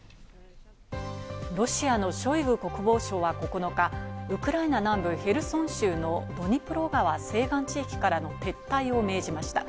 ロシアのショイグ国防相は９日、ウクライナ南部ヘルソン州のドニプロ川・西岸地域からの撤退を命じました。